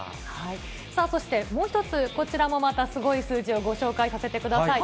そして、もう１つこちらもまたすごい数字をご紹介させてください。